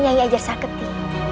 inilah nyai ajar saketi